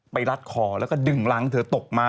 รัดคอแล้วก็ดึงรังเธอตกมา